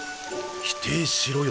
否定しろよ